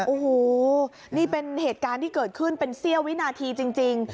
โอ้โหนี่เป็นเหตุการณ์ที่เกิดขึ้นเป็นเสี้ยววินาทีจริง